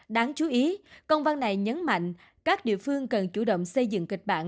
đáng chú ý công văn này nhấn mạnh các địa phương cần chủ động xây dựng kịch bản